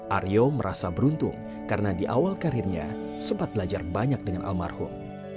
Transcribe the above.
aryo merasa beruntung karena di awal karirnya sempat belajar banyak dengan almarhum